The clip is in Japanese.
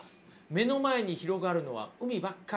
目の前に広がるのは海ばっかり。